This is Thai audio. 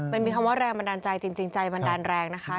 มันมีคำว่าแรงบันดาลใจจริงใจบันดาลแรงนะคะ